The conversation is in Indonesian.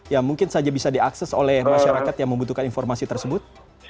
yang mungkin saja bisa diakses oleh masyarakat yang membutuhkan informasi tersebut